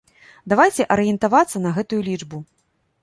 Давайце арыентавацца на гэтую лічбу.